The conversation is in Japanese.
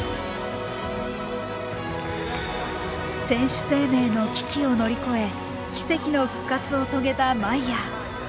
選手生命の危機を乗り越え奇跡の復活を遂げたマイヤー。